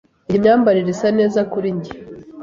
Iyi myambarire isa neza kuri njye?